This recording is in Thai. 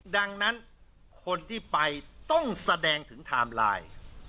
ดังนั้นคนที่ไปต้องแสดงถึงไทม์ไลน์